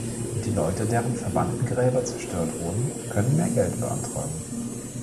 Die Leute, deren Verwandtengräber zerstört wurden, können mehr Geld beantragen.